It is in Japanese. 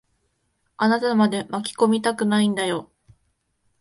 あなたまで巻き込みたくないんだよ。